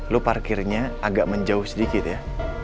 lo parkirnya agak menjauh sedikit ya